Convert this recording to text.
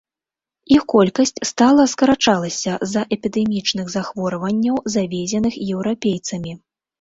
Іх колькасць стала скарачалася з-за эпідэмічных захворванняў, завезеных еўрапейцамі.